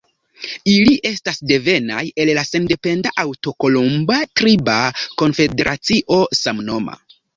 Ili estas devenaj el la sendependa antaŭkolumba triba konfederacio samnoma.